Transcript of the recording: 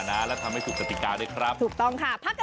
ตลอดของ